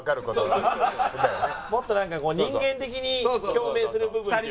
もっとなんかこう人間的に共鳴する部分。